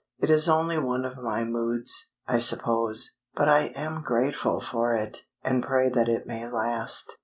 It is only one of my moods, I suppose; but I am grateful for it, and pray that it may last."